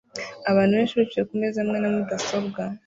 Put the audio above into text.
Abantu benshi bicaye kumeza hamwe na mudasobwa